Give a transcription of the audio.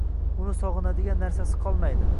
uni sog‘inadigan narsasi qolmaydi.